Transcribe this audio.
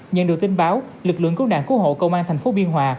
nhận được tin báo lực lượng cứu nạn cứu hộ công an thành phố biên hòa